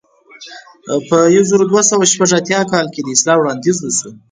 په زر دوه سوه شپږ اتیا کال کې د اصلاح وړاندیز وشو.